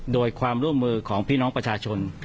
โดยความร่วมมือของพี่น้องประชาชน